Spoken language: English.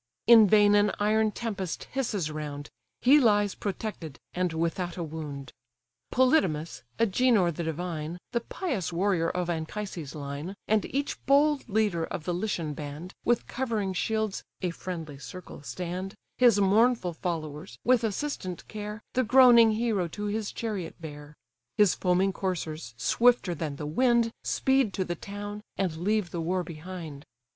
In vain an iron tempest hisses round; He lies protected, and without a wound. Polydamas, Agenor the divine, The pious warrior of Anchises' line, And each bold leader of the Lycian band, With covering shields (a friendly circle) stand, His mournful followers, with assistant care, The groaning hero to his chariot bear; His foaming coursers, swifter than the wind, Speed to the town, and leave the war behind.